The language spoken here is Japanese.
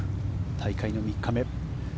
大会の３日目。